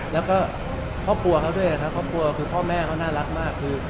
แล้วก็ครอบครัวเขาด้วยทั้งครอบครัวคือพ่อแม่เขาน่ารักมากคือ